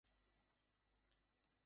তার চোখ ছিল ঝাপসা।